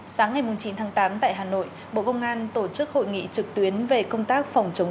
sáng ngày chín tháng tám tại hà nội bộ công an tổ chức hội nghị trực tuyến về công tác phòng chống